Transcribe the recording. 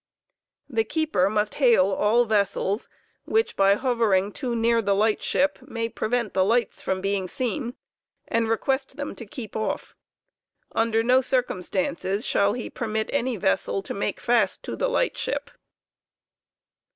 The keeper must hail all vessels, which by hovering too near the light ship veswoa to be may prevent thQ lights from being seen, and request them to keep off. Under no cir wanicd o£r cumstances shall lie permit any vessel to make fast to the light ship.